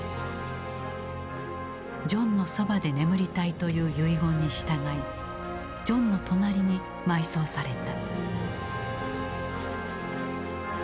ジョンのそばで眠りたいという遺言に従いジョンの隣に埋葬された。